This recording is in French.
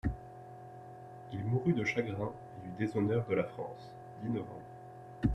Il mourut de chagrin et du déshonneur de la France (dix nov.